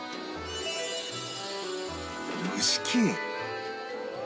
蒸し器へ